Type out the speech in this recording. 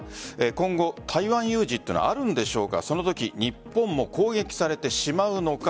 今後台湾有事はあるんでしょうかそのとき、日本も攻撃されてしまうのか。